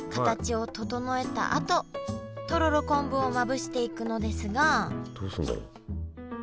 あととろろ昆布をまぶしていくのですがどうすんだろう？